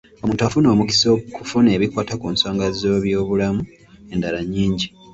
Omuntu afuna omukisa okufuna ebikwata ku nsonga z’ebyobulamu endala nnyingi.